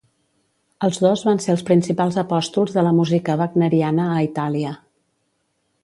Els dos van ser els principals apòstols de la música wagneriana a Itàlia.